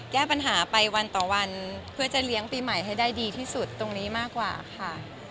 แก้ปัญหาไปวันต่อวันเพื่อจะเลี้ยงปีใหม่ให้ได้ดีที่สุดตรงนี้มากกว่าค่ะ